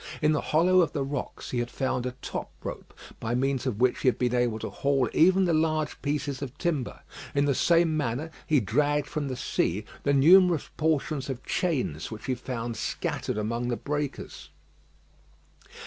In the hollow of the rocks he had found a top rope, by means of which he had been able to haul even the large pieces of timber. In the same manner he dragged from the sea the numerous portions of chains which he found scattered among the breakers.